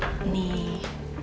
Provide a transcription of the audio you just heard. kalau kita bening bening